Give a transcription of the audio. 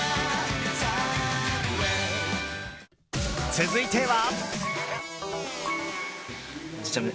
続いては。